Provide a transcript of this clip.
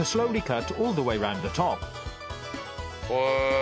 へえ。